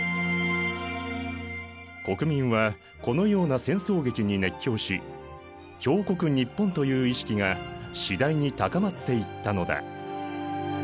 国民はこのような戦争劇に熱狂し「強国日本」という意識が次第に高まっていったのだ。